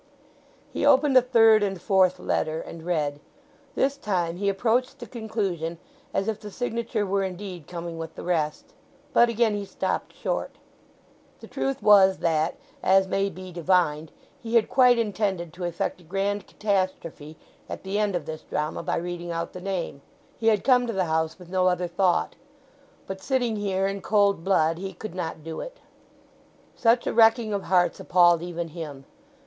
He opened a third and fourth letter, and read. This time he approached the conclusion as if the signature were indeed coming with the rest. But again he stopped short. The truth was that, as may be divined, he had quite intended to effect a grand catastrophe at the end of this drama by reading out the name, he had come to the house with no other thought. But sitting here in cold blood he could not do it. Such a wrecking of hearts appalled even him.